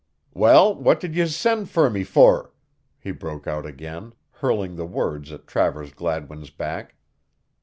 "Well, what did yez send fer me fer?" he broke out again, hurling the words at Travers Gladwin's back.